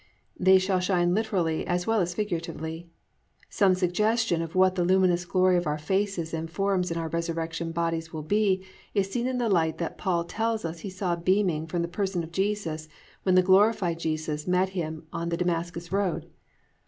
"+ They shall shine literally as well as figuratively. Some suggestion of what the luminous glory of our faces and forms in our resurrection bodies will be is seen in the light that Paul tells us that he saw beaming from the person of Jesus when the glorified Jesus met him on the Damascus road.